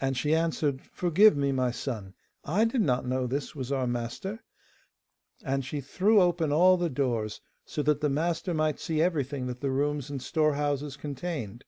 And she answered, 'Forgive me, my son. I did not know this was our master,' and she threw open all the doors so that the master might see everything that the rooms and storehouses contained.